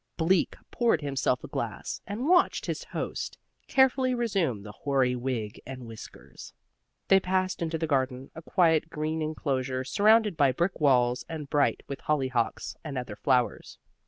Bleak poured himself a glass, and watched his host carefully resume the hoary wig and whiskers. They passed into the garden, a quiet green enclosure surrounded by brick walls and bright with hollyhocks and other flowers.